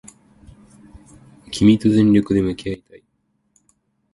君と全力で向き合いたい